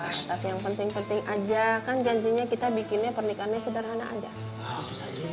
tapi yang penting penting aja kan janjinya kita bikinnya pernikahannya sederhana aja